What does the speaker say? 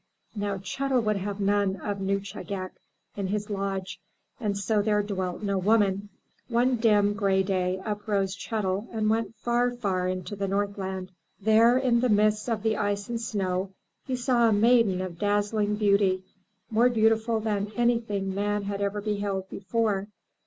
" Now Chet'l would have none of Nuschagak in his lodge, and so there dwelt there no woman. One dim, gray day up rose Chet'l and went far, far into the Northland. There in the midst of the ice and snow, he saw a maiden of dazzling beauty, more beautiful than anything man had ever beheld before.